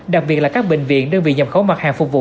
đặc biệt là các bệnh viện đơn vị nhập khẩu mặt hàng phục vụ